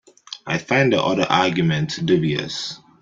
I find the other argument dubious.